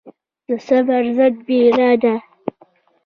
د صبر ضد بيړه ده.